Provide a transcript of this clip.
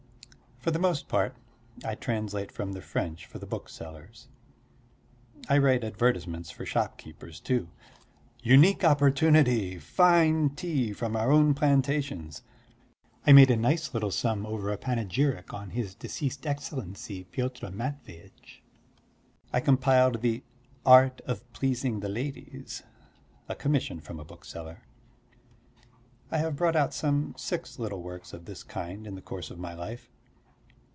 For the most part I translate from the French for the booksellers. I write advertisements for shopkeepers too: "Unique opportunity! Fine tea, from our own plantations ..." I made a nice little sum over a panegyric on his deceased excellency Pyotr Matveyitch. I compiled the "Art of pleasing the ladies," a commission from a bookseller. I have brought out some six little works of this kind in the course of my life.